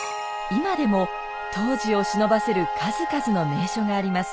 今でも当時をしのばせる数々の名所があります。